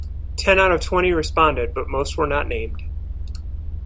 Ten out of twenty responded, but most were not named.